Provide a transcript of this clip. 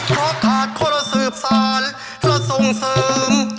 เพราะขาดคนละสืบสารและส่งเสริม